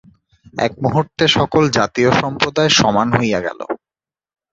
এক মুহূর্তে সকল জাতি ও সম্প্রদায় সমান হইয়া গেল।